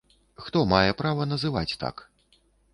Хто мае права называць так?